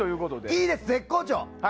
いいです、絶好調！